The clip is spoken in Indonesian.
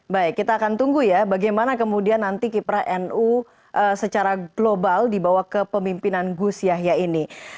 baik kita akan tunggu ya bagaimana kemudian nanti kiprah nu secara global dibawa ke pemimpinan gus yahya ini